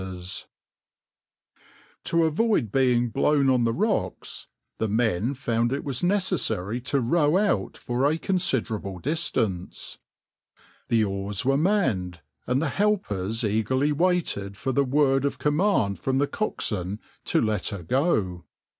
\par \vs {\noindent} To avoid being blown on the rocks the men found it was necessary to row out for a considerable distance. The oars were manned, and the helpers eagerly waited for the word of command from the coxswain to let her go.